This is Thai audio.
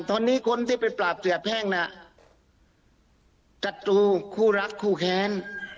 ตอนนี้คนที่ไปปราบเสียแพ่งน่ะจัตรูคู่รักคู่แค้น